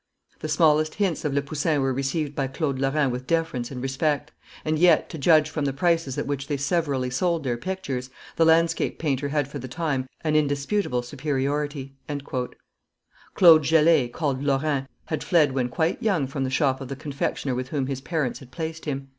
The smallest hints of Le Poussin were received by Claude Lorrain with deference and respect; and yet, to judge from the prices at which they severally sold their pictures, the landscape painter had for the time an indisputable superiority." Claude Gelee, called Lorrain, had fled when quite young from the shop of the confectioner with whom his parents had placed him.